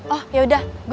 oh yaudah gue duluan ya